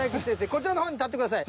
こちらの方に立ってください。